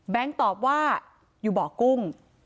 แบงก์ตอบว่าอยู่บ่อกุ้ง